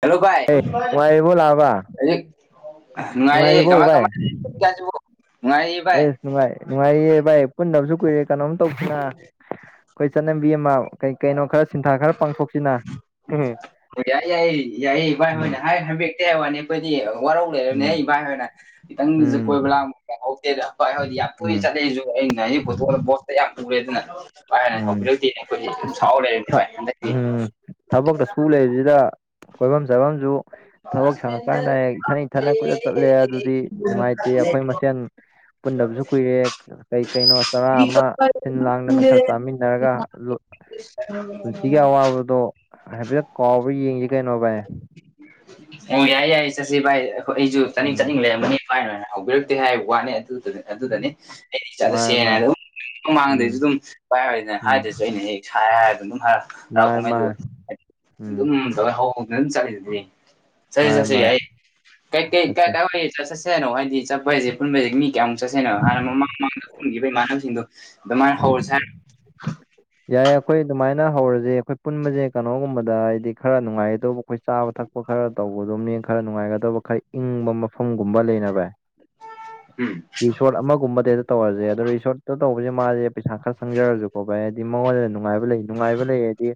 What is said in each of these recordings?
hello ꯚꯥꯏ ꯍꯧ ꯅꯨꯡꯉꯥꯏꯔꯤꯕꯣ ꯂꯥꯛꯑꯕ ꯅꯨꯡꯉꯥꯏꯔꯤ ꯅꯨꯡꯉꯥꯏꯔꯤꯕꯣ ꯀꯃꯥꯏ ꯚꯥꯏ ꯀꯃꯥꯏꯅ ꯍꯧꯖꯤꯛꯀꯟꯖꯤꯕꯨ ꯅꯨꯡꯉꯥꯏꯔꯤꯌꯦ ꯚꯥꯢ ꯑꯦꯁ ꯅꯨꯡꯉꯥꯏ ꯅꯨꯡꯉꯥꯏꯔꯤꯌꯦ ꯚꯥꯏ ꯄꯨꯟꯗꯕꯁꯨ ꯀꯨꯏꯔꯦ ꯀꯩꯅꯣꯝ ꯇꯧꯁꯤꯅ ꯑꯩꯈꯣꯏ ꯆꯠꯅꯕꯤ ꯑꯃ ꯀꯩ ꯀꯩꯅꯣ ꯈꯔ ꯁꯤꯟꯊꯥ ꯈꯔ ꯄꯥꯡꯊꯣꯛꯁꯤꯅ ꯍꯣꯏ ꯌꯥꯏꯌꯦ ꯌꯥꯏꯌꯦ ꯌꯥꯏꯌꯦ ꯚꯥꯏ ꯎꯝ ꯍꯣꯏꯅꯦ ꯍꯥꯏ ꯍꯥꯏꯕꯤꯔꯛꯇꯦ ꯍꯥꯏꯕꯩ ꯋꯥꯅꯤ ꯑꯩꯈꯣꯏꯗꯤ ꯋꯥꯔꯧ ꯂꯩꯔꯕꯅꯦ ꯎꯝ ꯍꯩ ꯕꯥꯏ ꯍꯣꯏꯅ ꯈꯤꯇꯁꯨ ꯎꯝ ꯀꯣꯏꯕ ꯂꯥꯛꯕ ꯀꯩꯍꯧꯗꯦꯗ ꯍꯣꯏ ꯍꯣꯏꯗꯤ ꯌꯥꯝ ꯇꯣꯏ ꯎꯝ ꯆꯥꯅꯩꯁꯨ ꯑꯩꯅ ꯄꯨꯊꯣꯛꯑꯒ ꯕꯣꯠꯇ ꯌꯥꯝ ꯄꯨꯔꯦ ꯑꯗꯨꯅ ꯚꯥꯏꯍꯣꯏꯅ ꯎꯝ ꯍꯧꯕꯤꯔꯛꯇꯦꯅꯦ ꯑꯩꯈꯣꯏꯗꯤ ꯑꯗꯨꯝ ꯁꯥꯎꯔ ꯎꯝ ꯂꯩꯔꯅꯤ ꯚꯥꯏ ꯍꯟꯗꯛꯇꯤ ꯎꯝ ꯊꯕꯛꯇ ꯁꯨ ꯂꯩꯖꯤꯗꯥ ꯀꯣꯏꯐꯝ ꯆꯥꯐꯝꯁꯨ ꯊꯕꯛ ꯁꯪꯉꯀꯥꯟꯗ ꯍꯦꯛ ꯏꯊꯟ ꯏꯊꯟ ꯀꯣꯏꯆꯠ ꯆꯠꯂꯦ ꯑꯗꯨꯗꯤ ꯅꯨꯡꯉꯥꯏꯇꯦ ꯑꯩꯈꯣꯏ ꯃꯁꯦꯟ ꯄꯨꯟꯗꯕꯁꯨ ꯀꯨꯏꯔꯦ ꯀꯩ ꯀꯩꯅꯣ ꯆꯔꯥ ꯑꯃ ꯁꯤꯜ ꯂꯥꯡꯗꯅ ꯈꯔ ꯆꯥꯃꯤꯟꯅꯔꯒ ꯄꯨꯟꯁꯤꯒꯤ ꯑꯋꯥꯕꯗꯣ ꯍꯥꯏꯐꯦꯠꯇꯠ ꯀꯥꯎꯕ ꯌꯦꯡꯁꯤ ꯀꯩꯅꯣ ꯚꯥꯏ ꯑꯣ ꯌꯥꯏꯌꯦ ꯌꯥꯏꯌꯦ ꯆꯠꯁꯤ ꯚꯥꯏ ꯑꯩ ꯑꯩꯁꯨ ꯆꯥꯅꯤꯡ ꯎꯝ ꯆꯥꯅꯤꯡ ꯂꯩꯔꯝꯝꯕꯅꯤ ꯚꯥꯏꯅ ꯍꯧꯕꯤꯔꯛꯇꯦ ꯍꯥꯏꯕ ꯋꯥꯅꯤ ꯑꯗꯨꯗꯨꯗꯤ ꯑꯗꯨꯗꯅꯤ ꯑꯩ ꯃꯥꯅꯦ ꯆꯠꯂꯁꯦꯅ ꯃꯥꯅꯦ ꯑꯗꯨꯝ ꯃꯥꯡꯗꯁꯨ ꯎꯝ ꯑꯗꯨꯝ ꯃꯥꯏ ꯍ‌ꯣꯏꯅ ꯎꯝ ꯍꯥꯏꯗ꯭ꯔꯁꯨ ꯑꯩꯅ ꯍꯦꯛ ꯁꯥꯏ ꯍꯥꯏꯔ ꯑꯗꯨꯝ ꯍꯥꯏꯔ ꯃꯥꯅꯦ ꯍꯔꯥꯛꯄꯨꯝꯍꯩꯗꯨ ꯃꯥꯅꯦ ꯍꯥꯏꯗꯤ ꯎꯝ ꯑꯗꯨꯝ ꯇꯧ ꯍꯧꯧꯕꯅ ꯑꯗꯨꯝ ꯆꯠꯂꯤꯗꯨꯗꯤ ꯁꯁ ꯃꯥꯅꯦ ꯁꯁ ꯃꯥꯅꯦ ꯌꯥꯏ ꯀ ꯀꯩ ꯀꯥꯏ ꯆꯠꯁꯦ ꯀꯥꯏ ꯑꯣꯏ ꯆꯠꯁꯦꯅꯣ ꯍꯥꯏꯗꯤ ꯆꯠꯄ ꯍꯥꯏꯁꯦ ꯄꯨꯟꯕꯩꯁꯦ ꯃꯤ ꯀꯌꯥꯃꯨꯛ ꯆꯠꯁꯦꯅꯣ ꯍꯥꯟꯅ ꯃꯃꯥꯡ ꯃꯥꯡꯗ ꯄꯨꯟꯈꯤꯕ ꯏꯃꯥꯟꯅꯕꯁꯤꯡꯗꯨꯣ ꯑꯗꯨꯃꯅ ꯍꯧꯔꯁꯠ ꯌꯥꯏ ꯑꯩꯈꯣꯏ ꯑꯗꯨꯃꯥꯏꯅ ꯍꯧꯔꯁꯦ ꯑꯩꯈꯣꯏ ꯄꯨꯟꯕꯁꯦ ꯀꯩꯅꯣꯒꯨꯝꯕꯗ ꯍꯥꯏꯗꯤ ꯈꯔ ꯅꯨꯡꯉꯥꯏꯒꯗꯕ ꯑꯩꯈꯣꯏ ꯆꯥꯕ ꯊꯛꯄ ꯈꯔ ꯇꯧꯕꯗꯣꯅꯦ ꯈꯔ ꯅꯨꯡꯉꯥꯏꯒꯗꯕ ꯈꯔ ꯏꯪꯕ ꯃꯐꯝꯒꯨꯝꯕ ꯂꯩꯅꯕ ꯎꯝ ꯔꯤꯁꯔ‌ꯣꯠ ꯑꯃꯒꯨꯝꯕꯗ ꯍꯦꯛꯇꯥ ꯇꯧꯔꯁꯦ ꯑꯗꯣ ꯔꯤꯁꯣꯔꯠꯇ ꯇꯧꯕꯁꯦ ꯃꯥꯁꯦ ꯄꯩꯁꯥ ꯈꯔ ꯆꯪꯖꯔꯁꯨꯀꯣ ꯚꯥꯏ ꯃꯉꯣꯟꯗ ꯅꯨꯡꯉꯥꯏꯕ ꯂꯩ ꯅꯨꯡꯉꯥꯏꯕ ꯂꯩ ꯍꯥꯏꯗꯤ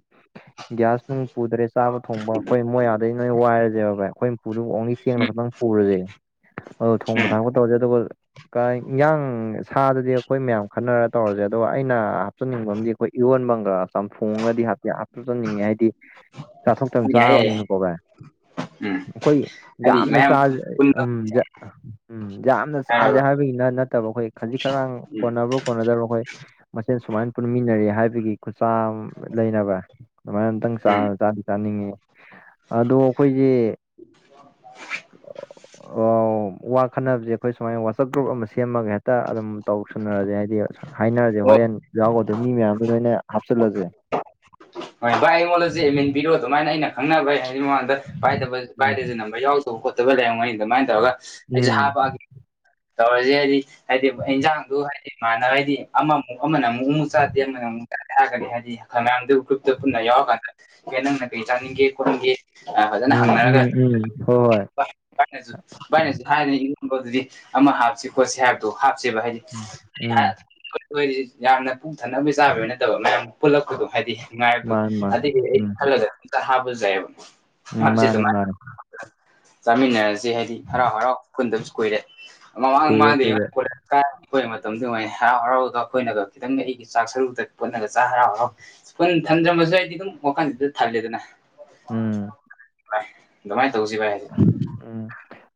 ꯒ꯭ꯌꯥꯁ ꯅꯨꯡ ꯄꯨꯗ꯭ꯔꯦ ꯆꯥꯕ ꯊꯣꯡꯕ ꯑꯩꯈꯣꯏ ꯃꯣꯏ ꯑꯗꯩ ꯅꯣꯏ ꯋꯥꯏꯔꯁꯦꯕ ꯚꯥꯏ ꯑꯩꯈꯣꯏ ꯄꯨꯗꯨ ꯑꯣꯡꯂꯤ ꯆꯦꯡꯅꯣ ꯈꯈꯤꯛꯇꯪ ꯄꯨꯔꯥꯁꯦ ꯑ ꯎꯝ ꯊꯣꯡꯕ ꯊꯥꯛꯄ ꯇꯧꯔꯁꯦ ꯑꯗꯨꯒ ꯏꯟꯌꯥꯥꯡ ꯁꯥꯗꯨꯗꯤ ꯑꯩꯈꯣꯏ ꯃꯌꯥꯝ ꯈꯟꯅꯔ ꯇꯧꯔꯁꯦ ꯑꯗꯣ ꯑꯩꯅ ꯆꯆꯅꯤꯡꯕ ꯑꯃꯗꯤ ꯑꯩꯈꯣꯏ ꯏꯔꯣꯟꯕꯝꯒ ꯆꯝꯊꯣꯡꯉꯒꯗꯤ ꯍꯥꯞꯇꯤ ꯍꯥꯞꯆꯟꯅꯤꯡꯉꯦ ꯍꯥꯏꯗꯤ ꯆꯥꯊꯣꯛꯇꯅ ꯎꯝ ꯌꯥꯏ ꯌꯥꯏ ꯌꯥꯏ ꯆꯥꯕꯅꯤꯅꯀꯣ ꯚꯥꯏ ꯎꯝ ꯑꯩꯈꯣꯏ ꯍꯥꯏꯗꯤ ꯌꯥꯝꯅ ꯃꯌꯥꯝ ꯆꯥꯗꯤ ꯄꯨꯟꯕ ꯉꯝꯗꯦ ꯎꯝ ꯌꯥꯝꯅ ꯆꯥꯁꯦ ꯍꯥꯏꯔꯕ ꯍꯥꯏꯕꯒꯤ ꯅꯠ ꯅꯠ ꯇꯕ ꯑꯩꯈꯣꯏ ꯈꯖꯤꯛ ꯈꯔꯥꯡ ꯎꯝ ꯀꯣꯟꯅꯕ꯭ꯔꯥ ꯀꯣꯟꯅꯗꯕ꯭ꯔꯥ ꯑꯩꯈꯣꯏ ꯃꯁꯦꯟ ꯁꯨꯃꯥꯏꯅ ꯄꯨꯟꯃꯤꯟꯅꯔꯤ ꯍꯥꯏꯕꯒꯤ ꯈꯨꯠꯁꯥ ꯂꯩꯅ ꯚꯥꯏ ꯑꯗꯨꯃꯥꯏꯅ ꯑꯝꯇꯪ ꯆ ꯎꯝ ꯆꯥꯅꯤꯡꯉꯤ ꯑꯗꯣ ꯑꯩꯈꯣꯏꯒꯤ ꯑꯣ ꯋꯥ ꯈꯠꯅꯕꯁꯦ ꯑꯩꯈꯣꯏ ꯁꯨꯃꯥꯏꯅ ꯋꯥꯆꯞ ꯒ꯭ꯔꯨꯞ ꯑꯃ ꯁꯦꯝꯃꯒꯦ ꯍꯦꯛꯇ ꯑꯗꯨꯝ ꯇꯧ ꯁꯨꯅꯔꯁꯦ ꯍꯥꯏꯗꯤ ꯍꯥꯏꯅꯔꯁꯦ ꯑꯣ ꯍꯣꯔꯦꯟ ꯌꯥꯎꯒ ꯑꯗꯨꯣ ꯃꯤ ꯃꯌꯥꯝꯗꯣ ꯅꯣꯏꯅ ꯍꯥꯞꯆꯤꯜꯂꯁꯦ ꯍꯣꯏ ꯚꯥꯏ ꯑꯩꯉꯣꯟꯗ ꯆ ꯌꯦꯃꯤꯟ ꯄꯤꯔꯛꯑꯣ ꯑꯗꯨꯃꯥꯏꯅ ꯑꯩꯅ ꯈꯪꯅꯕꯩ ꯍꯥꯏꯗꯤ ꯃꯃꯥꯡꯗ ꯎꯝ ꯄꯥꯏꯗꯁꯦ ꯅꯝꯕꯔ ꯌꯥꯎꯗ ꯇ ꯈꯣꯠꯇꯕ ꯂꯩꯔꯝꯒꯅꯤ ꯑꯗꯨꯃꯥꯏꯅ ꯇꯧꯔꯒ ꯑꯩꯁꯦ ꯎꯝ ꯍꯥꯞꯄꯛꯑꯒꯦ ꯇꯧꯔꯁꯦ ꯍꯥꯏꯗꯤ ꯍꯥꯏꯗꯤ ꯏꯟꯖꯥꯡꯗꯨ ꯍꯥꯏꯗꯤ ꯃꯥꯅ ꯍꯥꯏꯗꯤ ꯑꯃꯃꯨꯛ ꯑꯃꯅ ꯑꯃꯨꯛ ꯅꯨ ꯆꯥꯗꯦ ꯑꯃꯅ ꯑꯃꯨꯛꯒꯅꯤ ꯍꯥꯏꯗꯤꯈ ꯃꯌꯥꯝꯗꯨ ꯒ꯭ꯔꯨꯞꯇ ꯄꯨꯟꯅ ꯌꯥꯎꯔꯀꯥꯟꯗ ꯑꯦ ꯅꯪꯅ ꯀꯩ ꯆꯥꯅꯤꯡꯒꯦ ꯈꯣꯠꯅꯤꯡꯒꯦ ꯐꯖꯅ ꯎꯝ ꯍꯪꯅꯔꯒ ꯎꯝ ꯎꯝ ꯍꯣꯏ ꯍꯣꯏ ꯚꯥꯏꯅꯁꯨ ꯚꯥꯏꯅꯁꯨ ꯍꯥꯏꯗꯅ ꯏꯔꯣꯟꯝꯕꯗꯨꯗꯤ ꯑꯃ ꯍꯥꯞꯁꯤ ꯈꯣꯠꯁꯤ ꯍꯥꯏꯕ ꯑꯗꯨ ꯍꯥꯞꯁꯦꯕ ꯍꯥꯏꯗꯤ ꯎꯝ ꯑꯩꯣꯏꯁꯤ ꯌꯥꯝꯅ ꯄꯨꯛ ꯊꯛꯅꯕꯒꯤ ꯆꯥꯕꯒꯤ ꯅꯠꯇꯕ ꯃꯌꯥꯝ ꯄꯨꯜꯂꯛꯄꯗꯣ ꯍꯥꯏꯗꯤ ꯅꯨꯡꯉꯥꯏꯕꯗꯣ ꯃꯥꯅꯦ ꯃꯥꯅꯦ ꯑꯗꯩ ꯑꯩ ꯎꯝ ꯈꯜꯂꯒ ꯑꯝꯇ ꯍꯥꯞꯄꯖꯨ ꯖꯥꯏꯌꯦꯕ ꯎꯝ ꯐꯥꯝꯁꯤ ꯃꯥꯅꯦ ꯑꯗꯨꯃꯥꯏꯅ ꯃꯥꯅꯦ ꯆꯥꯃꯤꯟꯅꯔꯁꯤ ꯍꯥꯏꯗꯤ ꯍꯔꯥꯎ-ꯍꯔꯥꯎ ꯄꯨꯟꯗꯕꯁꯨ ꯀꯨꯏꯔꯦ ꯀꯨꯏꯔꯦ ꯃꯃꯥꯡ-ꯃꯥꯡꯗꯒꯤ ꯀꯨꯏꯔꯦ ꯀꯣꯂꯦꯁ ꯀ ꯑꯩꯈꯣꯏ ꯃꯇꯝꯗꯨ ꯑꯣꯏ ꯍꯔꯥꯎ ꯍꯔꯥꯎꯒ ꯑꯩꯈꯣꯏꯅꯒ ꯈꯤꯇꯪ ꯑꯩꯒꯤ ꯆꯥꯛ ꯁꯔꯨꯗ ꯄꯨꯣꯠꯅꯒ ꯆꯥꯛ ꯍꯔꯥꯎ ꯍꯔꯥꯎ ꯈꯨꯈꯟ ꯊꯝꯗ꯭ꯔꯃꯁꯨ ꯑꯩꯗꯤ ꯑꯗꯨꯝ ꯋꯥꯈꯜꯁꯤꯗ ꯊꯜꯂꯦꯗꯅ ꯎꯝ ꯗꯨꯃꯥꯏ ꯇꯧꯁꯤ ꯚꯥꯏ ꯎꯝ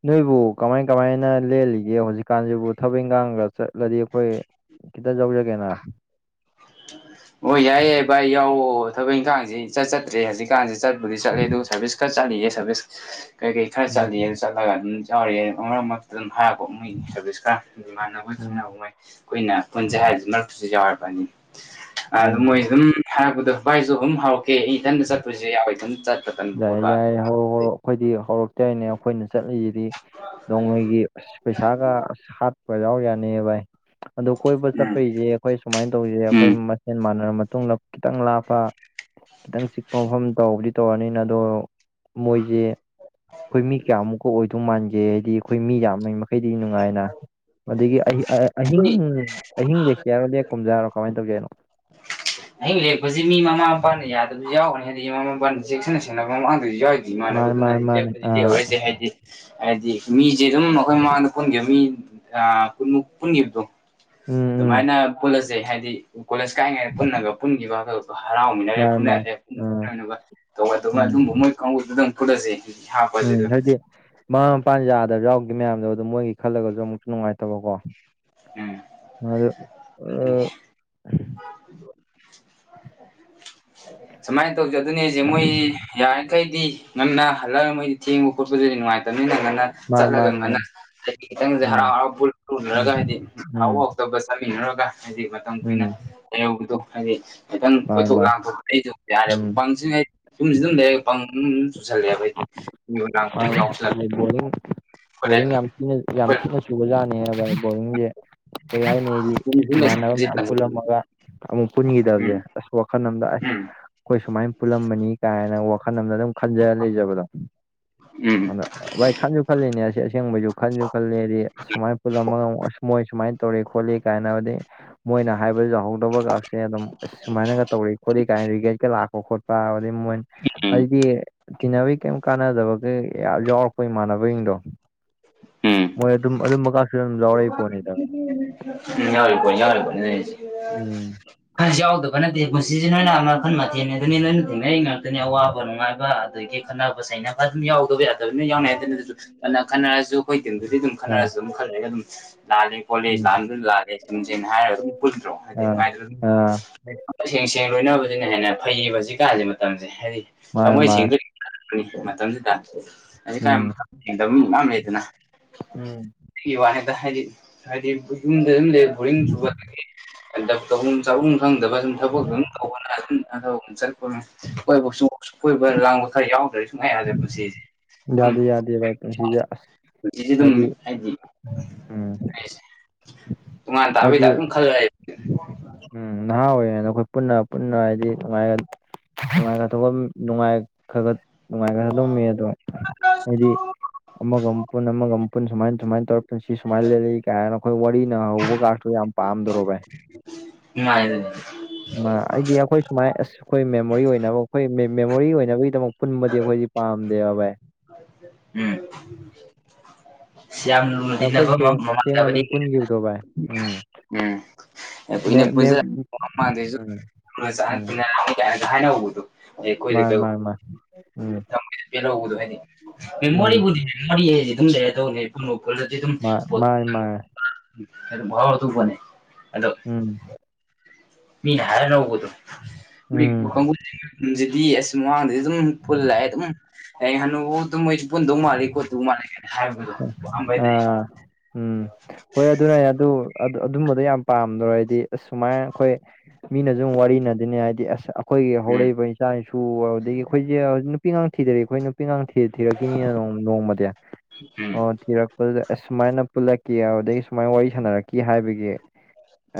ꯅꯣꯏꯕꯨ ꯀꯃꯥꯏ-ꯀꯃꯥꯏꯅ ꯂꯦꯜꯂꯤꯒꯦ ꯍꯧꯖꯤꯛꯀꯥꯟꯁꯤꯕꯨ ꯊꯕꯛ ꯏꯪꯒꯥꯡꯒ ꯆꯠ ꯎꯂꯗꯤ ꯑꯩꯈꯣꯏ ꯈꯤꯇꯪ ꯌꯧꯖꯒꯦꯅ ꯑꯣ ꯌꯥꯏ ꯌꯥꯏ ꯚꯥꯏ ꯌꯥꯎꯋꯣ ꯊꯕꯛ ꯏꯪꯈꯥꯡꯁꯤ ꯆꯠꯆꯠꯇ꯭ꯔꯦ ꯍꯧꯖꯤꯛꯀꯥꯟꯁꯤꯠ ꯕꯨꯗꯤ ꯆꯠꯂꯦ ꯑꯗꯨ ꯁꯔꯚꯤꯁ ꯈꯔ ꯆꯠꯂꯤꯌꯦ ꯁꯔꯚꯤꯁꯁ ꯀꯔꯤ ꯀꯔꯤ ꯈꯔ ꯎꯝ ꯆꯠꯂꯤꯑ ꯆꯠꯂꯒ ꯑꯗꯨꯝ ꯌꯥꯎꯔ ꯃꯔꯛ ꯃꯔꯛꯇ ꯑꯗꯨꯝ ꯍꯥꯏꯔꯛꯄ ꯃꯣꯏꯒꯤ ꯁꯥꯔꯚꯤꯁꯁ ꯈꯔ ꯃꯥꯟꯅꯕꯣꯏ ꯎꯝ ꯈꯪꯅꯕ ꯃꯥꯏ ꯑꯩꯈꯣꯏꯅ ꯄꯨꯟꯖꯦ ꯍꯥꯏꯕꯁꯦ ꯅꯛꯁꯨ ꯌꯥꯎꯔꯥꯕꯅꯤ ꯑꯗꯨ ꯎꯝ ꯃꯣꯏꯖꯨ ꯑꯗꯨꯝ ꯍꯥꯏꯄꯗꯣ ꯚꯥꯏꯁꯨ ꯑꯗꯨꯝ ꯍꯥꯎꯈꯦ ꯏꯊꯟꯇ ꯆꯠꯄꯁꯨ ꯌꯥꯎꯋꯦ ꯑꯗꯨꯝ ꯆꯠꯄ ꯇꯟꯕ ꯈꯣꯠꯄ ꯌꯥꯏ-ꯌꯥꯏ ꯍꯧꯔꯣ-ꯍꯧꯔꯣ ꯑꯩꯈꯣꯏꯗꯤ ꯍꯧꯔꯛꯇꯦ ꯍꯥꯏꯅꯦ ꯑꯩꯈꯣꯏꯅ ꯆꯠꯂꯤꯁꯤꯗꯤ ꯅꯣꯡꯃꯩꯒꯤ ꯑꯁ ꯄꯩꯁꯥꯒ ꯍꯥꯠꯄ ꯌꯥꯎ ꯌꯥꯅꯦ ꯚꯥꯏ ꯑꯗꯨ ꯀꯣꯏꯕ ꯎꯝ ꯆꯠꯄꯩꯖꯦ ꯑꯩꯈꯣꯏ ꯁꯨꯃꯥꯏ ꯇꯧꯖꯦ ꯑꯩꯈꯣꯏ ꯎꯝ ꯃꯠ ꯍꯦꯟ ꯃꯥꯟꯅꯔꯕ ꯃꯇꯨꯡꯗ ꯈꯤꯇꯪ ꯂꯥꯞꯄ ꯈꯤꯇꯪ ꯆꯤꯛꯄ ꯃꯐꯝ ꯇꯧꯕꯕꯨꯗꯤ ꯇꯧꯔꯅꯤ ꯑꯗꯣ ꯃꯣꯏꯁꯦ ꯑꯩꯈꯣꯏ ꯃꯤ ꯀꯌꯥꯃꯨꯛꯀ ꯑꯣꯏꯗꯧ ꯃꯥꯟꯒꯦ ꯍꯥꯏꯗꯤ ꯑꯩꯈꯣꯏ ꯃꯤ ꯌꯥꯝꯃ ꯃꯈꯩꯗꯤ ꯅꯨꯡꯉꯥꯏꯅ ꯑꯗꯒꯤ ꯑꯍꯤꯡ ꯑꯩꯈꯣꯏ ꯑꯍꯤꯡ ꯂꯦꯛꯁꯤ ꯌꯥꯔꯣ ꯂꯦꯛ ꯀꯨꯝꯖꯥꯔꯣ ꯀꯃꯥꯏꯅ ꯇꯧꯒꯦꯅꯣ ꯑꯍꯤꯡ ꯂꯦꯛꯄꯁꯤ ꯃꯤ ꯃꯃꯥ-ꯃꯄꯥꯅ ꯌꯥꯗꯕꯁꯨ ꯌꯥꯎꯒꯅꯤ ꯍꯥꯏꯗꯤ ꯃꯃꯥ-ꯃꯄꯥꯅ ꯆꯦꯛꯁꯤꯟꯅ ꯁꯦꯟꯅꯅ ꯃꯃꯥꯡꯗꯖꯨ ꯌꯥꯎꯏ ꯃꯥꯅꯦ ꯏꯃꯥꯟꯅꯕꯗꯨꯅ ꯃꯥꯅꯦ ꯃꯥꯅꯦ ꯂꯦꯞꯄꯗꯤ ꯑꯥ ꯂꯦꯍꯔꯁꯦ ꯍꯥꯏꯗꯤ ꯍꯥꯏꯗꯤ ꯃꯤꯁꯦ ꯑꯗꯨꯝ ꯑꯩꯈꯣꯏ ꯃꯃꯥꯡꯗ ꯄꯨꯟꯈꯤꯕ ꯃꯤꯟꯃꯨꯛ ꯄꯨꯟꯈꯤꯕꯗꯣ ꯎꯝ ꯎꯝ ꯑꯗꯨꯃꯥꯏꯅ ꯄꯨꯜꯂꯁꯦ ꯍꯥꯏꯗꯤ ꯀꯣꯂꯦꯖ ꯀꯥꯏꯉꯩꯗ ꯄꯨꯟꯅꯒ ꯄꯨꯟꯈꯤꯕ ꯑꯣ ꯍꯔꯥꯎꯃꯤꯟꯅꯔꯦ ꯃꯥꯅꯦ ꯃꯥꯅꯦ ꯐꯨꯅꯔꯦ ꯄꯨ ꯑꯥ ꯐꯨꯅꯕ ꯇꯧꯒꯗꯧꯕ ꯎꯝ ꯑꯗꯨꯝꯕ ꯃꯣꯏ ꯀꯥꯡꯕꯨꯗꯨꯗꯪ ꯐꯠꯂꯁꯤ ꯎꯝ ꯍꯥꯏꯗꯤ ꯃꯃꯥ ꯃꯄꯥ ꯌꯥꯗꯕ ꯌꯥꯎꯗꯦ ꯃꯌꯥꯝꯗꯣ ꯑꯗꯨꯝ ꯃꯣꯏꯒꯤ ꯈꯜꯂꯒꯁꯨ ꯑꯃꯨꯛꯁꯨ ꯅꯨꯡꯉꯥꯏꯇꯕꯀꯣ ꯑꯗꯨ ꯎꯝ ꯁꯨꯃꯥꯏ ꯇꯧꯖꯦ ꯑꯗꯨꯅꯦ ꯍꯥꯏꯖꯦ ꯃꯣꯏ ꯌꯥꯔꯤꯈꯩ ꯇꯤ ꯉꯟꯅ ꯍꯜꯂꯥꯑꯥ ꯃꯣꯏꯗꯤ ꯊꯦꯡꯕ ꯈꯣꯠꯄꯗꯤ ꯅꯨꯡꯉꯥꯏꯇꯕꯅꯤꯅ ꯉꯟꯅ ꯃꯥꯅꯤ ꯆꯠꯂꯒ ꯃꯥꯅꯤ ꯉꯅ ꯃꯥꯅꯤ ꯍꯥꯏꯗꯤ ꯈꯤꯇꯪꯁꯦ ꯎꯝ ꯍꯔꯥꯎ ꯍꯔꯥꯎ ꯎꯝ ꯄꯨꯨꯔꯒ ꯍꯥꯏꯗꯤ ꯎꯝ ꯍꯔꯥꯎꯕ ꯍꯥꯎꯗꯕꯁꯦ ꯆꯥꯃꯤꯟꯅꯔꯒ ꯍꯥꯏꯗꯤ ꯃꯇꯝ ꯀꯨꯏꯅ ꯎꯝ ꯑꯍꯧꯕꯗꯣ ꯍꯥꯏꯗꯤ ꯈꯤꯇꯪ ꯃꯥꯅꯤ ꯀꯣꯏꯊꯣꯛ ꯃꯥꯅꯤ ꯂꯥꯡꯊꯣꯛꯄ ꯑꯩꯗꯨꯝ ꯌꯥꯔꯥꯕ ꯎꯝ ꯄꯪꯖꯤꯅꯩ ꯍꯨꯝ ꯖꯨꯝ ꯂꯩ ꯄꯪ ꯆꯨꯁꯜꯂꯛꯑꯦꯕ ꯍꯥꯏꯗꯤ ꯌꯨ ꯂꯥꯡꯗꯤ ꯌꯥꯎꯁꯜꯂꯗꯥꯏꯗ ꯅ ꯌꯥꯝ ꯊꯤꯅ ꯁꯨꯕꯖꯠꯅꯤ ꯑꯕ ꯕꯣꯔꯤꯡꯁꯦ ꯀꯩ ꯌꯥꯅꯦ ꯑꯩꯗꯤ ꯎꯝ ꯏꯃꯥꯟꯅꯕ ꯃꯌꯥꯝ ꯄꯨꯜꯂꯝꯃꯒ ꯑꯃꯨꯛ ꯄꯨꯟꯈꯤꯗꯕꯁꯦ ꯑꯁ ꯋꯥꯈꯜ ꯑꯝ ꯂꯥꯛꯑꯦ ꯎꯝ ꯑꯩꯈꯣꯏ ꯁꯨꯃꯥꯏ ꯄꯨꯜꯂꯝꯕꯅꯤ ꯀꯥꯏꯅ ꯋꯥꯈꯜ ꯑꯃꯗ ꯑꯗꯨꯝ ꯈꯟꯖꯥꯔꯥ ꯂꯩꯖꯕꯗꯣ ꯎꯝ ꯑꯗꯥ ꯚꯥꯏ ꯈꯟꯁꯨ ꯈꯜꯂꯤꯅꯦ ꯑꯁꯤꯁ ꯑꯁꯦꯡꯕꯁꯨ ꯈꯟꯁꯨ ꯈꯜꯂꯦꯗꯤ ꯁꯨꯃꯥꯏꯅ ꯄꯨꯜꯂꯝꯃꯒ ꯑꯁ ꯃꯣꯏ ꯁꯨꯃꯥꯏꯅ ꯇꯧꯔꯤ ꯈꯣꯠꯂꯤ ꯀꯥꯏꯅ ꯍꯥꯏꯗꯤ ꯃꯣꯏꯅ ꯍꯥꯏꯕ ꯌꯥꯍꯧꯗꯕ ꯒꯥꯛꯁꯦ ꯑꯗꯨꯝ ꯑꯁ ꯁꯨꯃꯥꯏꯅꯒ ꯇꯧꯏ ꯈꯣꯠꯂꯤ ꯀꯥꯏꯅ ꯔꯤꯒꯦꯠꯀꯥ ꯂꯥꯛꯄ ꯈꯣꯠꯄ ꯑꯗꯒꯩ ꯃꯣꯏꯅ ꯎꯝ ꯎꯝ ꯍꯥꯏꯗꯤ ꯇꯤꯟꯅꯕꯩ ꯀꯩꯝ ꯀꯥꯟꯅꯗꯕꯒꯩ ꯌꯥꯝ ꯌꯥꯎꯔꯛꯄ ꯏꯃꯥꯟꯅꯕꯍꯤꯡꯗꯣ ꯎꯝ ꯃꯣꯏ ꯑꯗꯨꯝ ꯑꯗꯨꯝꯕꯀꯥꯁꯨ ꯑꯗꯨꯝ ꯌꯥꯎꯔꯛꯏ ꯄꯣꯠꯅꯤꯗ ꯎꯝ ꯌꯥꯎꯔꯤꯄꯣꯠꯅꯤ-ꯌꯥꯎꯔꯤꯄꯣꯠꯅꯤ ꯎꯝ ꯑꯁ ꯌꯥꯎꯗꯕ ꯀꯥꯅꯗꯦ ꯄꯨꯟꯁꯤꯖꯤ ꯅꯣꯏꯅ ꯃꯈꯜ ꯃꯊꯦꯜꯅꯤ ꯑꯗꯨꯅꯤ ꯅꯣꯏꯅ ꯊꯦꯡꯅꯔꯤꯉꯛꯇꯅꯤ ꯑꯋꯥꯕ ꯅꯨꯡꯉꯥꯏꯕ ꯑꯗꯥꯒꯤ ꯈꯠꯅꯕ ꯆꯩꯅꯕ ꯑꯗꯨ ꯌꯥꯎꯗꯕ ꯌꯥ ꯇꯥꯕꯅꯤ ꯌꯥꯎꯅꯩ ꯍꯥꯏꯗꯅ ꯑꯗꯨꯁꯨ ꯐꯥꯅ ꯈꯟꯅꯔꯁꯨ ꯑꯩꯈꯣꯏ ꯇꯤꯝꯗꯨꯗꯤ ꯑꯗꯨꯝ ꯑ ꯈꯟꯅꯔꯁꯨ ꯑꯗꯨꯝ ꯈꯔ ꯂꯩꯔꯒ ꯑꯗꯨꯝ ꯂꯥꯜꯂꯦ ꯀꯣꯂꯦꯖ ꯎꯝ ꯂꯥꯛꯗ ꯂꯥꯛꯑꯂꯦ ꯁꯨꯝ ꯁꯅ ꯍꯥꯏꯔꯒ ꯑꯗꯨꯝ ꯄꯨꯠꯇ꯭ꯔꯣ ꯑꯥ ꯍꯥꯏꯗꯤꯥꯏꯗꯣ ꯑꯥ ꯑꯗꯨꯝ ꯁꯦꯡ ꯁꯦꯡ ꯂꯣꯏꯅꯕꯁꯤꯅ ꯍꯦꯟꯅ ꯐꯩꯌꯦ ꯍꯧꯖꯤꯛꯀꯥꯟꯁꯤ ꯃꯇꯝꯁꯦ ꯍꯥꯏꯗꯤ ꯃꯥꯅꯦ ꯃꯣꯏ ꯃꯥꯅꯦ ꯁꯦꯡꯗꯛꯄꯅꯤ ꯃꯇꯝꯗꯨꯗ ꯍꯧꯖꯤꯛꯀꯥꯟ ꯎꯝ ꯃꯇꯝ ꯁꯦꯡꯗꯕ ꯃꯤ ꯌꯥꯝ ꯂꯩꯗꯅ ꯎꯝ ꯒꯤ ꯋꯥꯅꯤꯗ ꯍꯥꯏꯗꯤ ꯍꯥꯏꯗꯤ ꯌꯨꯝꯗ ꯑꯗꯨꯝ ꯂꯩ ꯕꯣꯔꯤꯡ ꯆꯨ ꯇꯧꯐꯝ ꯆꯥꯐꯝ ꯈꯪꯗꯕ ꯁꯨꯝ ꯊꯕꯛ ꯑꯗꯨ ꯇꯧꯕꯅ ꯆꯠꯄꯣꯏ ꯀꯣꯏꯕ ꯂꯥꯡꯕ ꯈꯔ ꯌꯥꯎꯗ꯭ꯔꯦ ꯁꯨꯡꯉꯥꯏꯔꯁꯦ ꯄꯨꯟꯁꯤꯁꯦ ꯑꯗꯨꯝ ꯌꯥꯗꯦ ꯌꯥꯗꯦ ꯚꯥꯏ ꯄꯨꯟꯁꯤꯁꯦ ꯑꯁ ꯄꯨꯟꯁꯤꯁꯦ ꯍꯥꯏꯗꯤ ꯑꯗꯨꯝ ꯎꯝ ꯇꯣꯉꯥꯟ ꯇꯥꯕꯩ ꯍꯥꯏꯗꯤ ꯇꯥꯏꯞ ꯑꯗꯨꯝ ꯈꯜꯂ ꯂꯩ ꯎꯝ ꯅꯍꯥ ꯑꯣꯏꯔꯤꯉꯩꯗ ꯑꯩꯈꯣꯏ ꯄꯨꯟꯅ ꯄꯨꯟꯅ ꯍꯥꯏꯗꯤ ꯉꯥꯏꯒ ꯅꯨꯡꯉꯥꯏ ꯅꯨꯡꯉꯥꯏ ꯈ ꯅꯨꯡꯉꯥꯏ ꯈ ꯊꯗꯃꯤ ꯑꯗꯣ ꯍꯣꯏꯗꯤ ꯑꯃꯒ ꯑꯃꯨꯛ ꯄꯨꯟ ꯑꯃꯥꯒ ꯄꯨꯟ ꯁꯨꯃꯥꯏꯅ ꯁꯨꯃꯥꯏꯅ ꯇꯧꯔ ꯄꯨꯟꯁꯤ ꯁꯨꯃꯥꯏꯅ ꯂꯦꯜꯛꯂꯤ ꯀꯥꯏꯅ ꯑꯩꯈꯣꯏ ꯋꯥꯔꯤ ꯅꯅꯍꯧꯕ ꯀꯥꯁꯨ ꯌꯥꯝ ꯄꯥꯝꯗꯣꯔꯣ ꯚ ꯅꯨꯡꯉꯥꯏꯕꯅꯤ ꯑꯩꯗꯤ ꯑꯩꯈꯣꯏ ꯁꯨꯃꯥꯏꯅ ꯑꯁ ꯑꯩꯈꯣꯏ ꯃꯦꯃꯣꯔꯤ ꯑꯣꯏꯅꯕ ꯑꯩꯈꯣꯏ ꯃꯦꯃꯣꯔꯤ ꯑꯣꯏꯅꯕꯒꯤꯗꯃꯛ ꯄꯨꯟꯕꯗꯤ ꯑꯩꯈꯣꯏꯗꯤ ꯄꯥꯝꯗꯦꯕ ꯚꯥꯏ ꯎꯝ ꯌꯥꯝꯅ ꯂꯨꯅ ꯑꯩꯈꯣꯏ ꯇꯤꯟꯅꯕ ꯁꯦꯡ ꯁꯦꯡꯅ ꯃꯃꯥꯡꯖꯕꯅꯤ ꯑꯗꯨꯝ ꯄꯨꯟꯈꯤꯕꯗꯣ ꯚꯥꯏ ꯎꯝ ꯎꯝ ꯃꯦ ꯀꯨꯏꯅ ꯃꯦꯝ ꯄꯨꯟꯖꯟ ꯎꯝ [unintelligible] ꯍꯥꯏꯅꯍꯧꯕꯗꯣ ꯃꯥ ꯃꯥꯥꯏ ꯃꯥ ꯎꯝ ꯩꯅ ꯍꯗ ꯍꯥꯏꯗꯤ ꯎꯝ ꯃꯦꯃꯣꯔꯤꯕꯨꯗꯤ ꯃꯦꯃꯣꯔꯤ ꯑꯗꯨ ꯗ ꯃꯥꯅꯤ ꯇꯧ ꯃꯥꯅꯤ ꯃꯥꯅꯤ ꯔ ꯃꯍꯥꯎ ꯑꯗꯨꯕꯅꯦ ꯑꯗꯣ ꯎꯝ ꯃꯤꯅ ꯍꯥꯏꯔ ꯂꯧꯕꯗꯣ ꯃꯣꯏ ꯎꯝ ꯀꯥꯡꯕꯨꯨꯁꯤꯡꯁꯤꯗꯤ ꯑꯁ ꯃꯃꯥꯡꯗꯗꯤ ꯑꯗꯨꯝ ꯄꯨꯜꯂꯑꯦ ꯑꯗꯨꯝ ꯍꯅꯨꯕꯨꯥꯎ ꯑꯗꯨꯝ ꯃꯣꯏꯁꯨ ꯄꯨꯟꯗꯧ ꯃꯥꯜꯜꯂꯤꯦ ꯈꯣꯠꯇꯧ ꯃꯥꯜꯂꯦ ꯀꯅ ꯍꯥꯏꯕ ꯑꯥ ꯎꯝ ꯍꯣꯏꯔꯥꯏ ꯑꯗꯨ -ꯑꯗꯨ- ꯑꯗꯨꯝꯕꯗꯣ ꯌꯥꯝ ꯄꯥꯝꯗ꯭ꯔꯣ ꯑꯩꯗꯤ ꯁꯨꯃꯥꯏꯅ ꯑꯈꯣꯏ ꯃꯤꯅꯖꯨ ꯑꯃꯨꯛ ꯋꯥꯔꯤꯅꯗꯅꯤ ꯍꯥꯏꯗꯤ ꯑꯁ ꯑꯥ ꯑꯩꯈꯣꯏꯒꯤ ꯎꯝ ꯍꯧꯔꯛꯏꯕ ꯏꯆꯥ ꯏꯁꯨ ꯑꯗꯨꯗꯒꯤ ꯑꯩꯈꯣꯏꯁꯦ ꯍꯧꯖꯤ ꯅꯨꯄꯤ ꯉꯥꯡ ꯊꯤꯗꯔꯤ ꯑꯩꯈꯣꯏ ꯅꯨꯄꯤ ꯉ ꯊꯤ- ꯊꯔꯛꯈꯤꯅꯤꯅ ꯅꯣꯡ-ꯅꯣꯡꯃꯥꯗꯤ ꯎꯝ ꯑꯣ ꯊꯤꯔꯛꯄꯗꯨꯗ ꯑꯁ ꯁꯨꯃꯥꯏꯅ ꯄꯨꯜꯂꯛꯀ ꯑꯗꯨꯗꯒꯤ ꯁꯨꯃꯥꯏꯅ ꯋꯥꯔꯤ ꯁꯥꯟꯅꯔꯛꯀ ꯍꯥꯏꯕꯒꯤ ꯑꯦ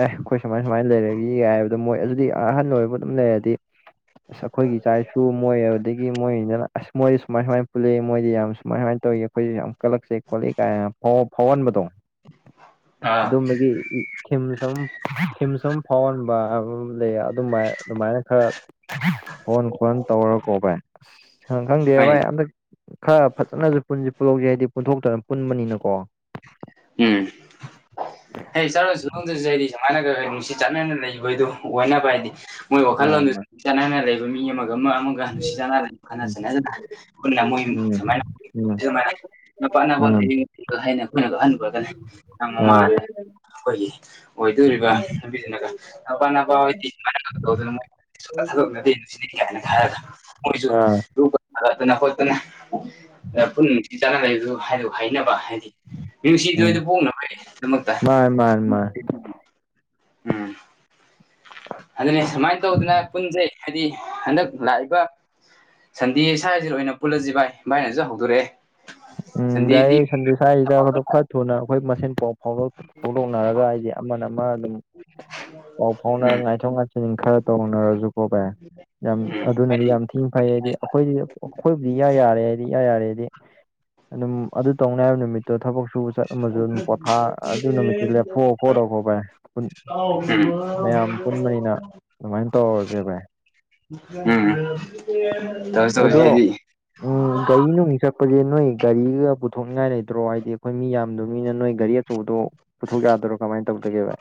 ꯑꯩꯈꯣꯏ ꯁꯨꯃꯥꯏ-ꯁꯨꯃꯥꯏꯅ ꯂꯩꯔꯦꯒꯤ ꯌꯥꯏ ꯍꯥꯏꯕꯗꯣ ꯃꯣꯏ ꯑꯗꯨꯗꯤ ꯑꯍꯟ ꯑꯣꯏꯕ ꯑꯗꯨꯝ ꯂꯩꯔꯥꯗꯤ ꯑꯁ ꯑꯈꯣꯏꯒꯤ ꯏꯆꯥ-ꯏꯁꯨ ꯃꯣꯏ ꯑꯗꯥꯗꯒꯤ ꯃꯣꯏꯅꯤꯅ ꯑꯁ ꯃꯣꯏ ꯁꯨꯃꯥꯏ-ꯁꯨꯃꯥꯏꯅ ꯄꯨꯜꯂꯛꯑꯦ ꯃꯣꯏꯗꯤ ꯌꯥꯝ ꯀꯃꯥꯏꯅ ꯇꯧꯋꯤ ꯑꯩꯈꯣꯏꯁꯨ ꯌꯥꯝ ꯀꯜꯂꯛꯁꯦ ꯈꯣꯠꯂꯤ ꯀꯥꯏ ꯐꯥꯎ-ꯐꯥꯎꯒꯟꯕꯗꯣ ꯑꯥ ꯑꯗꯨꯝꯕꯒꯤ ꯊꯤꯝ ꯁꯨꯝ ꯊꯤꯝ ꯁꯨꯝ ꯐꯥꯎꯍꯟꯕ ꯂꯩ ꯑꯗꯨꯃꯥꯏ ꯑꯗꯨꯃꯥꯏꯅ ꯈꯔ ꯍꯣꯟ ꯈꯣꯟ ꯇꯧꯔꯥꯒꯀꯣ ꯚꯥꯏ ꯈꯪ-ꯈꯪꯗꯦ ꯍꯣꯏꯅꯦ ꯚꯥꯏ ꯑꯟꯗꯛ ꯈꯔ ꯐꯖꯅꯖꯨ ꯄꯨꯟꯖꯤ ꯄꯨꯟꯍꯧꯖꯤ ꯍꯥꯏꯗꯤ ꯄꯨꯟꯊꯣꯛꯇꯅ ꯄꯨꯟꯕꯅꯤꯅꯀꯣ ꯎꯝ ꯍꯩ ꯆꯥꯂꯣꯟꯁꯨꯂꯣꯟꯡꯗꯁꯨ ꯑꯩꯗꯤ ꯁꯨꯃꯥꯏꯅꯒ ꯅꯨꯡꯁꯤ ꯆꯠꯅꯅ ꯂꯩꯕꯗꯣ ꯑꯣꯏꯅꯕ ꯑꯩꯗꯤ ꯃꯣꯏ ꯋꯥꯈꯜꯂꯣꯟꯗꯨ ꯃꯥꯅꯤ ꯃꯥꯅꯤ ꯆꯥꯟꯅꯅ ꯂꯩꯕ ꯃꯤ ꯑꯃꯒ-ꯑꯃ- ꯑꯃꯒ ꯅꯨꯡꯁꯤ ꯆꯥꯟꯅꯅ ꯎꯝ ꯃꯣꯏꯃꯥꯏꯅ ꯎꯝ ꯖꯨꯃꯥꯏ ꯅꯨꯄꯥ ꯅꯪꯉꯣꯟꯗ ꯎꯝ ꯌꯦꯡꯈꯤ ꯍꯥꯏꯅ ꯑꯩꯈꯣꯏꯅ ꯑꯟ ꯒꯣꯗꯅꯦ ꯅꯪ ꯎꯝ ꯑ ꯃꯥꯃꯥꯗ ꯑꯩꯈꯣꯏꯒꯤ ꯑꯣꯏꯗꯣꯔꯤꯕ ꯅꯨꯄꯤꯁꯤꯅꯒ ꯅꯄꯥ ꯅꯄꯥ ꯑꯣꯏꯤ ꯁꯨꯃꯥꯏꯅ ꯇꯧꯗꯅ ꯃꯣꯏ ꯁꯨꯡꯊꯥ ꯊꯥꯗꯣꯛꯅꯗꯦ ꯅꯨꯡꯁꯤꯅꯩ ꯀꯥꯏꯅ ꯍꯥꯏꯔꯒ ꯃꯣꯏꯁꯨ ꯑ ꯌꯣꯠꯀꯥ ꯊꯥꯡꯒꯠꯇꯅ ꯈꯣꯠꯇꯅ ꯄꯨꯟꯅ ꯅꯨꯡꯁꯤ ꯆꯥꯟꯅ ꯂꯩꯕꯗꯨ ꯍꯥꯏꯗꯨ ꯍꯩꯅꯅꯕ ꯍꯥꯏꯗꯤ ꯎꯝ ꯅꯨꯡꯁꯤꯗꯣꯏꯗ ꯄꯣꯛꯅꯕꯗꯃꯛꯇ ꯃꯥꯅꯤ ꯃꯥꯅꯤ ꯃꯥꯅꯤ ꯎꯝ ꯑꯗꯨꯅꯤ ꯁꯨꯃꯥꯏꯅ ꯇꯧꯗꯅ ꯄꯨꯟꯁꯩ ꯍꯥꯏꯗꯤ ꯍꯟꯗꯛ ꯂꯥꯛꯏꯕ ꯁꯟꯗꯦ ꯁ꯭ꯋꯥꯏꯁꯤꯗ ꯑꯣꯏꯅ ꯄꯨꯜꯂꯁꯤ ꯚꯥꯏ ꯚꯥꯏꯅꯁꯨ ꯍꯧꯗꯣꯔꯛꯑꯦ ꯎꯝ ꯁꯟꯗꯦꯗꯤ ꯌꯥꯏꯌꯦ ꯁꯟꯗꯦ ꯁ꯭ꯋꯥꯏꯁꯤꯗ ꯑꯗꯣ ꯈꯔ ꯊꯨꯅ ꯑꯩꯈꯣꯏ ꯃꯁꯦꯟ ꯄꯥꯎ ꯐꯥꯎꯗꯣꯛ ꯐꯥꯎꯗꯣꯛꯅꯔꯒ ꯑꯩꯗꯤ ꯑꯃꯅ-ꯑꯃ ꯑꯗꯨꯝ ꯄꯥꯎ ꯐꯥꯎꯅꯔꯥ ꯎꯝ ꯉꯥꯏꯊꯣꯛ-ꯉꯥꯏ ꯍ ꯈꯔ ꯇꯧꯅꯔꯁꯨꯀꯣ ꯔ ꯌꯥꯝ ꯎꯝ ꯑꯗꯨꯅꯗꯤ ꯍꯥꯏꯗꯤ ꯌꯥꯝ ꯊꯤꯅ ꯐꯩ ꯍꯥꯏꯗꯤ ꯑꯩꯈꯣꯏꯗꯤ ꯑꯩꯈꯣꯏꯕꯨꯗꯤ ꯏ ꯌꯥꯔꯦ ꯍꯥꯏꯗꯤ ꯏ ꯌꯥꯔꯦ ꯍꯥꯏꯗꯤ ꯑꯗꯨꯝ ꯑꯗꯨ ꯇꯧꯅꯤ ꯍꯥꯏꯕ ꯅꯨꯃꯤꯠꯇꯣ ꯊꯕꯛ ꯁꯨꯕ ꯆꯠꯂꯝꯃꯁꯨ ꯎꯝ ꯑꯗꯨꯝ ꯄꯣꯊꯥ ꯑꯗꯨ ꯅꯨꯃꯤꯠꯇꯤ ꯂꯦꯞꯊꯣꯛꯑꯣ ꯈꯣꯠꯂꯣ ꯈꯣꯠꯄꯥꯏ ꯃꯌꯥꯝ ꯄꯨꯟꯕꯅꯤꯅ ꯑꯗꯨꯃꯥꯏꯅ ꯇꯧꯔꯁꯦꯕꯥꯏ ꯎꯝ ꯇ ꯇꯧ ꯑꯗꯣ ꯍꯥꯏꯗꯤ ꯎꯝ ꯒꯥꯔꯤ ꯅꯨꯡ ꯆꯠꯄꯁꯦ ꯅꯣꯏ ꯒꯥꯔꯤꯒ ꯄꯨꯊꯣꯛꯅꯤꯡꯉꯥꯏ ꯂꯩꯇ꯭ꯔꯣ ꯍꯥꯏꯗꯤ ꯑꯩꯈꯣꯏ ꯃꯤ ꯌꯥꯝꯗꯕꯅꯤꯅ ꯅꯣꯏ ꯒꯥꯔꯤ ꯑꯆꯧꯕꯗꯣ ꯄꯨꯊꯣꯛ ꯌꯥꯗꯣꯏꯔꯣ ꯀꯃꯥꯏꯅ ꯇꯧꯗꯒꯦꯕꯚ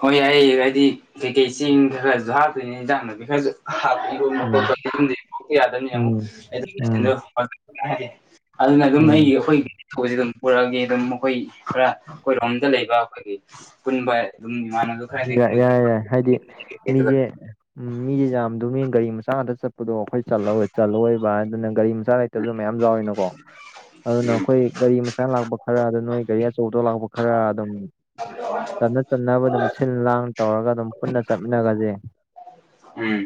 ꯍꯣꯏ ꯑꯩ ꯍꯥꯏꯗꯤ ꯀꯩꯀꯩ ꯆꯦꯡ ꯈꯔꯁꯨ ꯍꯥꯞꯇꯣꯏꯅꯦ ꯌꯦꯟꯖꯥꯡꯅꯄꯤ ꯈꯔꯁꯨ ꯏ ꯃ ꯄ ꯎꯝ ꯌꯥꯗꯅꯤ ꯑꯃꯨꯛ ꯎꯝ ꯎꯝ ꯑꯗꯨꯅ ꯑꯗꯨꯝ ꯎꯝ ꯑꯩꯒꯤ ꯑꯩꯈꯣꯏꯒꯤ ꯁꯤ ꯑꯗꯨꯝ ꯄꯨꯔꯛꯑꯦ ꯑꯗꯨꯝ ꯃꯈꯣꯏ ꯈꯔ ꯑꯩꯈꯣꯏꯔꯣꯝꯗ ꯂꯩꯕ ꯑꯩꯈꯣꯏꯒꯤ ꯄꯨꯟꯕ ꯑꯗꯨꯝ ꯃꯥꯅ ꯌꯥꯏ ꯌꯥꯏ ꯍꯥꯏꯗꯤ ꯑꯗꯨꯒ ꯃꯤꯁꯦ ꯎꯝ ꯃꯤꯁꯦ ꯌꯥꯝꯗꯅꯤ ꯒꯥꯔꯤ ꯃꯆꯥ ꯑꯗ ꯆꯠꯄ ꯗꯣ ꯑꯩꯈꯣꯏ ꯆ ꯆꯠꯂꯣꯏꯕ ꯑꯗꯨꯅ ꯒꯥꯔꯤ ꯃꯆꯥ ꯂꯩꯇꯕꯁꯨ ꯃꯌꯥꯝ ꯌꯥꯎꯋꯤꯅꯀꯣ ꯑꯗꯨꯅ ꯎꯝ ꯑꯩꯈꯣꯏ ꯒꯥꯔꯤ ꯃꯆꯥ ꯂꯥꯛꯄ ꯈꯔ ꯑꯗꯨ ꯅꯣꯏ ꯒꯥꯔꯤ ꯑꯆꯧꯕꯗꯧ ꯂꯥꯛꯄ ꯈꯔ ꯑꯗꯨꯝ ꯆꯠꯅ ꯆꯟꯅꯅꯕ ꯑꯗꯨꯝ ꯁꯤꯜ ꯂꯥꯡ ꯇꯧꯔꯒ ꯑꯗꯨꯝ ꯄꯨꯟꯅ ꯆꯠꯃꯤꯟꯅꯒꯁꯦ ꯎꯝ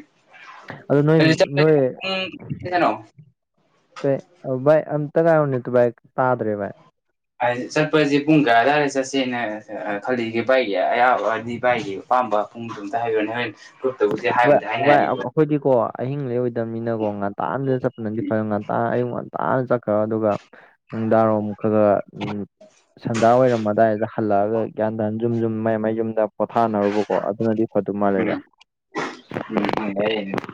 ꯑꯗ ꯅꯣꯏ ꯑꯗꯨ ꯆꯠꯄꯁꯦ ꯅꯣꯏ ꯄꯨꯡ ꯀꯩꯅꯣ ꯀ ꯥꯏ ꯑꯝꯇ ꯀꯥꯏ ꯑꯃꯅꯤꯅꯤ ꯇꯨ ꯥꯏ ꯇꯥꯗ꯭ꯔꯦ ꯥꯏ [inaudible] [unintelligible] ꯆꯠꯄꯁꯦ ꯄꯨꯡ ꯀꯌꯥꯗꯥꯋꯥꯏꯗ ꯆꯠꯁꯦꯅ ꯈꯜꯂꯤꯒꯦ ꯕꯥꯥꯏꯒꯤ ꯑꯌꯥꯕꯗꯤ ꯕꯥꯥꯏꯒꯤ ꯑꯄꯥꯝꯕ ꯄꯨꯡꯗ ꯑꯝꯇ ꯍꯥꯏꯈ꯭ꯔꯅꯦ ꯍꯥꯢꯌꯨꯅꯦ ꯀꯠꯇꯕꯨ ꯌꯥ [inaudible] ꯚꯏ ꯑꯩꯈꯣꯏꯗꯤꯀꯣ ꯑꯍꯤꯡ ꯂꯩꯔ ꯃꯤꯅꯀꯣ ꯉꯟꯇꯥ ꯑꯃꯗ ꯆꯠꯄꯅꯗꯤ ꯈꯔ ꯉꯟꯇꯥ ꯑꯌꯨꯛ ꯉꯟꯇꯥꯅ ꯆꯠꯈ꯭ꯔꯣ ꯑꯗꯨꯒ ꯅꯨꯡꯗꯥꯡꯔꯣꯝꯨꯛ ꯈ ꯈ ꯎ ꯁꯟꯗꯥ ꯑꯣꯏꯔꯝ ꯑꯗꯥꯏꯗ ꯍꯜꯂꯛꯑꯒ ꯒ꯭ꯌꯥꯟꯗꯟ ꯌꯨꯝ ꯌꯨꯝ ꯃ ꯃꯩ ꯌꯨꯝꯗ ꯄꯣꯊꯥꯅꯔꯨꯕꯀꯣ ꯑꯗꯨꯅꯗꯤ ꯈ ꯑꯗꯨ ꯃꯥꯜꯂꯦ ꯎꯝ ꯚꯥꯏ ꯎꯝ ꯍ ꯍ [inaudible]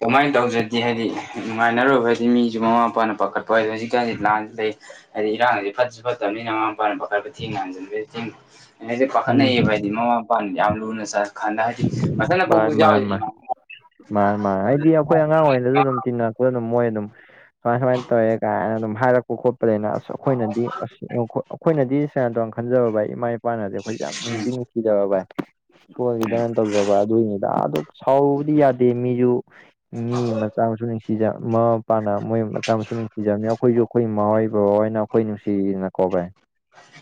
ꯀꯃꯥꯏꯅ ꯇꯧꯖ꯭ꯔꯗꯤ ꯍꯥꯏꯗꯤ ꯅꯨꯡꯉꯥꯏꯅꯔꯨꯕ ꯍꯥꯏꯗꯤ ꯃꯤꯁꯨ ꯃꯃꯥ ꯃꯄꯥꯅ ꯄꯥꯈꯠꯄ ꯍꯣꯏꯣ ꯍꯧꯖꯤꯛꯀꯥꯟꯁꯤꯗꯤ ꯂꯥꯟꯁꯨ ꯂꯩ ꯍꯥꯏꯗꯤ ꯏꯔꯥꯡꯁ ꯐꯠꯁꯨ ꯐꯠꯇꯕꯅꯤꯅ ꯃꯃꯥ ꯃꯄꯥ ꯃꯈꯄꯥ ꯈꯔ ꯈ ꯊꯦꯡꯅ ꯍꯟꯖꯟꯗ ꯑꯩꯅꯁꯦ ꯎꯝ ꯄꯥꯈꯠꯅꯩꯑꯌꯦꯕ ꯍꯥꯏꯗꯤ ꯃꯃꯥ ꯃꯄꯥꯅ ꯌꯥꯝ ꯂꯨꯅ ꯆꯠ ꯈꯥꯟꯗ ꯍꯥꯏꯗꯤ ꯃꯊꯅ ꯄꯣꯛ ꯃꯥꯅꯤ ꯃꯥꯅꯤ ꯃꯥ ꯃꯥꯅꯤ ꯃꯥ ꯍꯥꯏꯗꯤ ꯑꯩꯈꯣꯏ ꯑꯉꯥꯡ ꯑꯣꯏꯔꯤꯗꯁꯨ ꯑꯗꯨꯝ ꯇꯤꯟꯅ ꯑꯗꯨꯝ ꯃꯣꯏ ꯑꯗꯨꯝ ꯁꯨꯃꯥꯏ ꯁꯨꯃꯥꯏꯅ ꯇꯧꯋꯦ ꯀꯥꯏꯅ ꯑꯗꯨꯝ ꯍꯥꯏꯔꯛꯄ ꯈꯣꯠꯄ ꯂꯩꯅ ꯑꯁ ꯑꯩꯈꯣꯏꯅꯗꯤ ꯑꯁ ꯑꯩꯈꯣꯏꯅꯗꯤ ꯁꯨꯃꯥꯏꯅ ꯇꯧꯉꯥꯟꯅ ꯈꯟꯖꯕ ꯚꯥꯏ ꯏꯃꯥ ꯏꯄꯥꯅꯗꯤ ꯑꯩꯈꯣꯏꯁꯦ ꯌꯥꯝ ꯅꯨꯡꯗꯤꯤ ꯅꯨꯡꯁꯤꯖꯕ ꯥꯏ ꯁꯣꯒꯤ ꯎꯝ ꯗ ꯇꯧꯖꯕ ꯑꯗꯨꯏꯅꯤꯗ ꯑꯗꯨ ꯁꯥꯎꯔꯨꯕꯗꯤ ꯌꯥꯗꯦ ꯃꯤꯁꯨ ꯃꯤ ꯃꯆꯥ ꯑꯃꯁꯁꯨ ꯅꯨꯡꯁꯤꯖ ꯑꯃ ꯏꯄꯥꯅ ꯃꯣꯏ ꯃꯇꯝꯁꯨ ꯅꯨꯡꯁꯤꯖꯕꯅꯤ ꯑꯩꯈꯣꯏꯁꯨ ꯑꯩꯈꯣꯏ ꯃꯥꯣꯏ ꯕꯅ ꯑꯩꯈꯣꯏ ꯅꯨꯡꯁꯤꯗꯅ ꯀꯣ ꯚꯥꯏ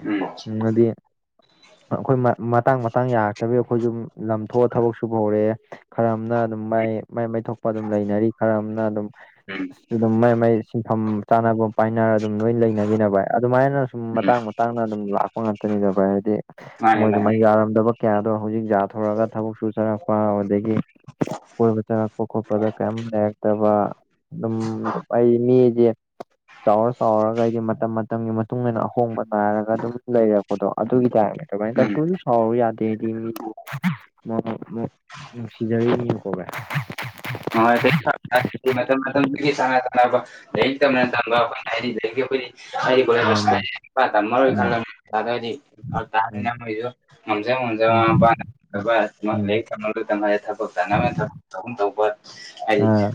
ꯑꯝ ꯎꯝ ꯑꯗꯨꯏ ꯑꯩꯈꯣꯏ ꯃꯇꯥꯡ ꯃꯇꯥꯡ ꯌꯥꯔꯛꯇꯕꯤ ꯑꯩꯈꯣꯏꯁꯨ ꯂꯝꯊꯣꯛꯑ ꯊꯕꯛ ꯁꯨꯕ ꯍꯧꯔꯦ ꯈꯔ ꯑꯃꯅ ꯑꯗꯨꯝ ꯃꯥꯏ ꯃꯥꯏ ꯃꯥꯏꯊ ꯊꯣꯛꯄ ꯑꯗꯨꯝ ꯂꯩꯅꯔꯤ ꯈꯔ ꯑꯃꯅ ꯑꯗꯨꯝ ꯎꯝ ꯨ ꯑꯗꯨꯝ ꯃꯩ ꯃꯩ ꯁꯤꯟꯐꯝ ꯆꯥꯐꯝ ꯄꯥꯏꯅꯔ ꯑꯗꯨꯝ ꯂꯣꯏ ꯂꯩꯅꯈꯤꯅꯕ ꯑꯗꯨꯃꯥꯏꯅ ꯁꯨꯝ ꯎꯝ ꯃꯇꯥꯡ ꯃꯇꯥꯡꯅ ꯑꯗꯨꯝ ꯂꯥꯛꯄ ꯉꯥꯛꯅꯤ ꯕꯕꯥ ꯍꯥꯏꯗꯤ ꯃꯥꯅꯦ ꯃꯣꯏꯁꯨ ꯃꯥꯅꯦ ꯃꯩ ꯌꯥꯔꯝꯗꯕ ꯀꯌꯥꯗꯣ ꯍꯧꯖꯤꯛ ꯊꯣꯔꯒ ꯊꯕꯛ ꯁꯨ ꯆꯔꯛꯄ ꯑꯗꯨꯗꯒꯤ ꯀꯣꯏꯕ ꯆꯪꯉꯛꯄ ꯈꯣꯠꯄꯗ ꯀꯩꯝ ꯂꯩꯔꯛꯇꯕ ꯑꯗꯨꯝ ꯑꯩ ꯃꯤꯁꯦ ꯆꯥꯎꯔ ꯆꯥꯎꯔꯒ ꯑꯩꯗꯤ ꯃꯇꯝ ꯃꯇꯝꯒꯤ ꯃꯇꯨꯡ ꯏꯟꯅ ꯑꯍꯣꯡꯕ ꯅꯥꯏꯔꯒ ꯑꯗꯨꯝ ꯂꯩꯔꯕ ꯑꯣꯗꯣ ꯑꯗꯨꯒꯤ ꯇꯥꯏꯔ ꯇꯧꯥꯏꯅ ꯎꯝ ꯀꯩꯁꯨ ꯁꯥꯎꯔꯨ ꯌꯥꯗꯦꯗꯤ ꯃꯤꯗꯨ ꯅꯨꯡ ꯁꯤꯗꯕꯤ ꯀꯔꯦ [inaudible] ꯍꯣꯏ ꯁꯉꯅ [inaudible] ꯂꯥꯏꯔꯤꯛ ꯇꯝꯅ ꯇꯝꯕ ꯑꯩꯈꯣꯏꯅ ꯍꯥꯏꯔꯤꯗꯒꯤ ꯑꯩꯈꯣꯏ ꯃꯥꯅꯤ ꯃꯥꯅꯤ ꯊꯔꯤ ꯀ ꯎꯝ ꯇꯥꯔꯁꯨ [inaudible] ꯍꯖ ꯎꯝ ꯎꯝ ꯍ [inaudible] ꯕꯥꯁ ꯎꯝ ꯂꯩ ꯀꯃꯂ ꯊꯄꯣꯛ ꯅ ꯊ ꯇꯧꯧꯕ ꯄ [inaudible] ꯍꯥꯏꯗꯤ ꯑꯥ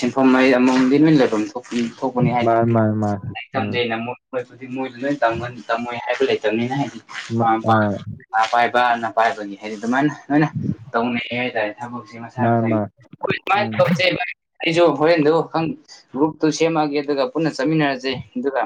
ꯁꯦꯟꯐꯝ ꯍꯥꯏ ꯑꯃꯃꯝ ꯂꯦꯟꯃꯤꯟ ꯂꯩꯐꯝꯅꯤ ꯊꯣꯛꯄꯅꯤ ꯍꯥꯏꯗꯤ ꯃꯥꯅꯤ ꯃꯥꯅꯤ ꯃꯥꯅꯤ ꯂ ꯎꯝ ꯇꯝꯖꯩꯩ ꯅꯣꯏꯗꯤ ꯃꯣꯏꯁꯨ ꯂꯣꯏ ꯇꯝꯃꯣꯏ ꯍꯥꯏꯕ ꯂꯩ ꯅꯤ ꯑ ꯑꯥ [inaudible] ꯑꯥ ꯄꯥꯏꯕ ꯑꯅ ꯄꯥꯏꯕꯅꯤ ꯍꯥꯏꯗꯤ ꯑꯗꯨꯃꯥꯏꯅ ꯂꯣꯏꯅ ꯇꯧꯅꯩ ꯍꯥꯏꯇꯥꯔꯦ ꯊꯕꯛꯁꯦ ꯃꯁꯥ ꯃꯥꯅꯤ ꯃꯁꯥꯒꯤ ꯃꯥꯅꯤ ꯍꯣꯏ ꯁꯨꯃꯥꯏꯅ ꯎꯝ ꯇꯧꯁꯦ ꯑꯩꯁꯨ ꯍꯣꯔꯦꯟꯗꯨ ꯒ꯭ꯔꯨꯞꯇꯨ ꯁꯦꯝꯒꯦ ꯑꯗꯨꯒ ꯄꯨꯟꯅ ꯆꯠꯃꯤꯟꯅꯔꯁꯦ ꯑꯗꯨꯒ